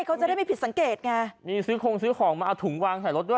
เขาจะได้ไม่ผิดสังเกตไงนี่ซื้อคงซื้อของมาเอาถุงวางใส่รถด้วย